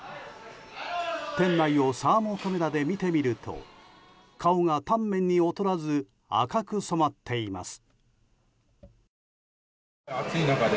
店内をサーモカメラで見てみると顔がタンメンに劣らず赤く染まっています。